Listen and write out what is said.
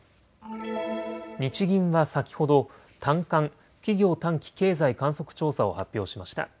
日銀は先ほど短観・企業短期経済観測調査を発表しました。